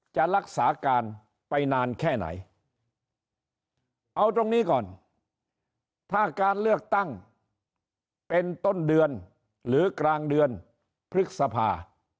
จะรักษาการไปนานแค่ไหนเอาตรงนี้ก่อนถ้าการเลือกตั้งเป็นต้นเดือนหรือกลางเดือนพฤษภา